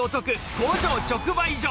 工場直売所。